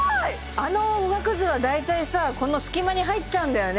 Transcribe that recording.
あのおがくずは大体さこの隙間に入っちゃうんだよね